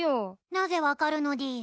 なぜ分かるのでぃす。